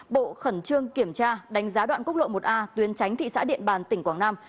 bộ khẩn trương kiểm tra đánh giá đoạn quốc lộ một a tuyến tránh thị xã điện bàn tỉnh quảng nam